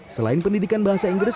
selain pendidikan bahasa inggris